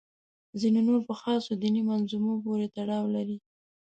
ځینې نور په خاصو دیني منظومو پورې تړاو لري.